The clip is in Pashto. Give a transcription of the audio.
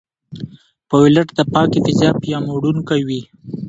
پیلوټ د پاکې فضا پیاموړونکی وي.